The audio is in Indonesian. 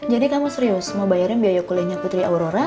jadi kamu serius mau bayarin biaya kuliahnya putri aurora